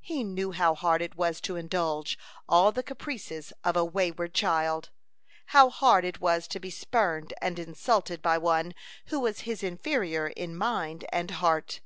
He knew how hard it was to indulge all the caprices of a wayward child; how hard it was to be spurned and insulted by one who was his inferior in mind and heart.